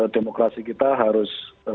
demokrasi kita harus